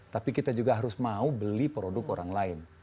tapi kita juga harus mau beli produk orang lain